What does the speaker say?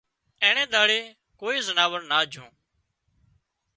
اينڻي ۮاڙي ڪوئي زناور نا جھون